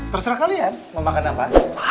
terserah kalian mau makan apa